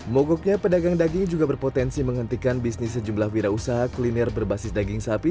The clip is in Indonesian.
mogoknya pedagang daging juga berpotensi menghentikan bisnis sejumlah wira usaha kuliner berbasis daging sapi